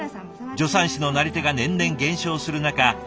助産師のなり手が年々減少する中